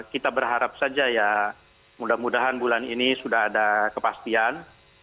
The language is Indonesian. kita berharap saja ya mudah mudahan bulan ini sudah ada kepastian